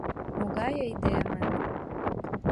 Могай айдеме!